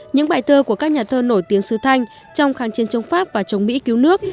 những bài thơ của các nhà thơ nổi tiếng sứ thanh trong kháng chiến chống pháp và chống mỹ cứu nước